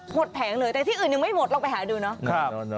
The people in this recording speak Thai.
หมดแผงเลยแต่ที่อื่นยังไม่หมดเราไปหาดูนะ